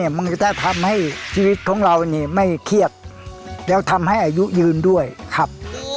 มันก็จะทำให้ชีวิตของเรานี่ไม่เครียดแล้วทำให้อายุยืนด้วยครับ